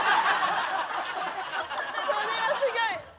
それはすギョい！